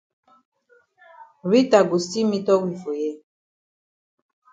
Rita go still meetup we for here.